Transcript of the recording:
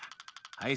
はい。